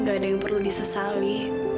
gak ada yang perlu disesali